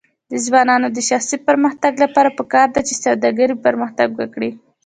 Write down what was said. د ځوانانو د شخصي پرمختګ لپاره پکار ده چې سوداګري پرمختګ ورکړي.